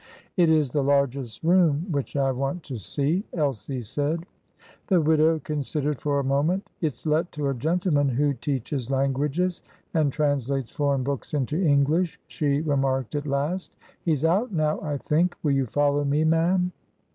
"It is the largest room which I want to see," Elsie said. The widow considered for a moment. "It's let to a gentleman who teaches languages and translates foreign books into English," she remarked at last. "He's out now, I think. Will you follow me, ma'am?"